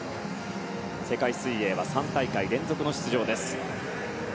世界水泳は３大会連続の出場です。